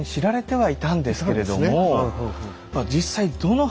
はい！